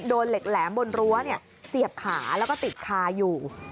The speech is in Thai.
โดนเหล็กแหลมบนรั้วเสียบขาแล้วก็ติดคาอยู่